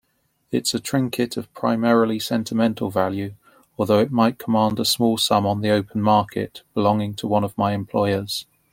It's a trinket of primarily sentimental value, although it might command a small sum on the open market, belonging to one of my employers.